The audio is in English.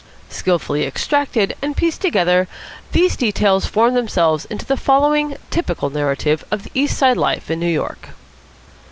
Skilfully extracted and pieced together, these details formed themselves into the following typical narrative of East Side life in New York.